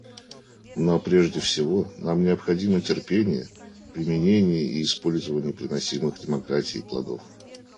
Но прежде всего нам необходимо терпение в применении и использовании приносимых демократией плодов.